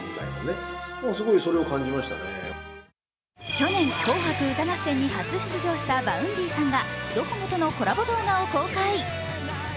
去年、「紅白歌合戦」に初出場したＶａｕｎｄｙさんがドコモとのコラボ動画を公開。